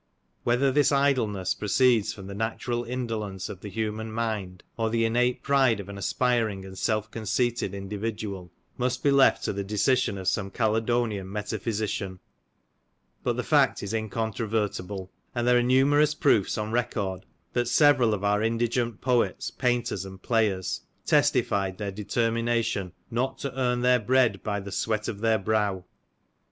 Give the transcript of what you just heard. '' Whether this idleness proceeds from the natural indolence of the human mind, or the innate pride of an aspiring and self conceited individual must be left to the decision of some Caledonian metaphysician : but the fact is incontrovertible ; and there are numerous proofs on record, that several of our indigent poets, painters, and players testified their determination not " to earn their bread by the sweat of their brow.''